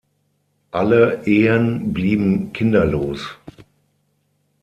Alle Ehen blieben kinderlos.